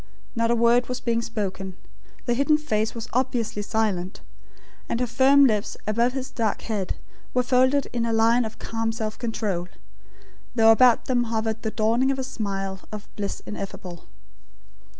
Not a word was being spoken. The hidden face was obviously silent; and her firm lips above his dark head were folded in a line of calm self control; though about them hovered the dawning of a smile of bliss ineffable.